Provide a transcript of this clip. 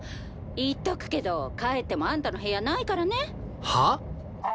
言っとくけど帰ってもあんたの部屋ないからね」はあ！？